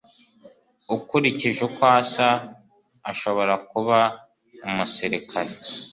Ukurikije uko asa, ashobora kuba umusirikare.